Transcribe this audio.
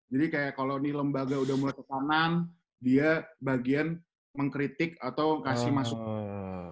jadi kayak kalo nih lembaga udah mulai ke kanan dia bagian mengkritik atau kasih masukan